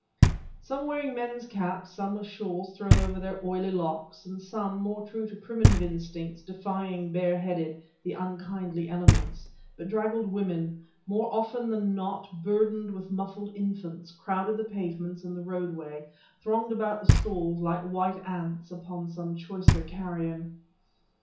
Some wearing mens' caps, some with shawls thrown over their oily locks, and some, more true to primitive instincts, defying, bare headed, the unkindly elements, bedraggled women more often than not burdened with muffled infants crowded the pavements and the roadway, thronged about the stalls like white ants about some choicer carrion.